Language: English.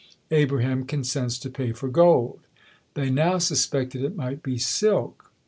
Abraham consents to pay for gold. They now suspected it might be silk.